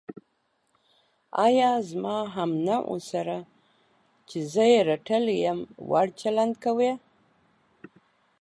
ایا زما همنوعو سره چې زه یې رټلی یم، وړ چلند کوې.